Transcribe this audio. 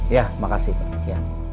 iya makasih pak